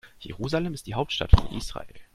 Jerusalem ist die Hauptstadt von Israel.